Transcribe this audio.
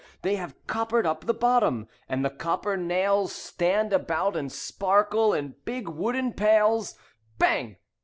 They have coppered up the bottom, And the copper nails Stand about and sparkle in big wooden pails. Bang!